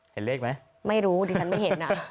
เห็นเลขมั้ยไม่รู้ดิจริงไม่เห็นอ่ะ